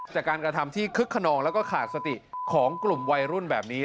จากการกระทำที่คึกขนองแล้วก็ขาดสติของกลุ่มวัยรุ่นแบบนี้